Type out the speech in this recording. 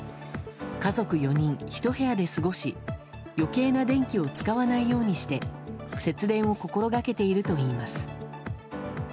家族４人１部屋で過ごし余計な電気を使わないようにして節電を心掛けているといいます。